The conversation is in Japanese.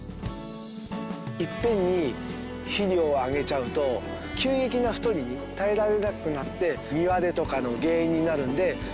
いっぺんに肥料をあげちゃうと急激な太りに耐えられなくなって実割れとかの原因になるので。